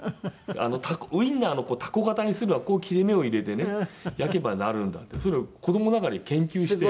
ウィンナーのタコ形にするのはこう切れ目を入れてね焼けばなるんだっていうそういうのを子どもながらに研究して。